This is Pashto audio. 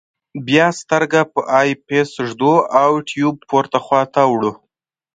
بیا سترګه په آی پیس ږدو او ټیوب پورته خواته وړو.